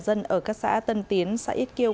của nhà dân ở các xã tân tiến xã ít kiêu